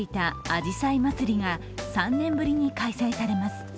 あじさいまつりが３年ぶりに開催されます。